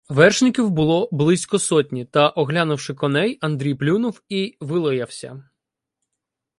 Вершників було близько сотні, та, оглянувши коней, Андрій плюнув і вилаявся.